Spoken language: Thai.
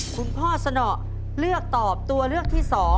คุณพ่อสนอเลือกตอบตัวเลือกที่๒